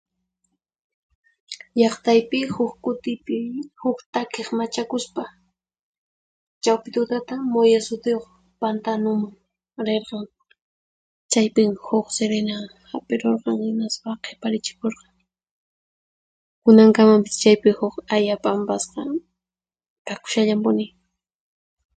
Llaqtaypi, huq kutipi huq takiq machakuspa, chawpi tutata Moya sutiyuq pantanuman rirqan. Chaypin huq sirina hap'irurqan hinaspa qhiparichipurqan. Kunankamapis chaypi huq aya p'ampasqa kakushallanpuni.